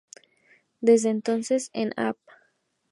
Desde entonces, en Av.